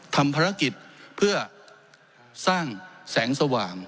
ทำภารกิจเพื่อสร้างแสงสว่าง